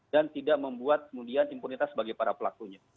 dan tidak membuat kemudian impunitas bagi para pelakunya